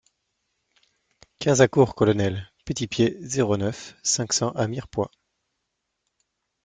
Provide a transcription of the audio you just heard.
quinze A cours Colonel Petitpied, zéro neuf, cinq cents à Mirepoix